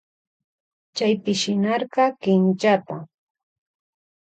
Chaypi shinarka kinchata.